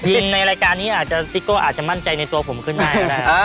ยิงในรายการนี้ซิโก้อาจจะมั่นใจในตัวผมขึ้นหน้านะฮะ